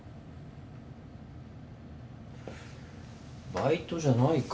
バイトじゃないか。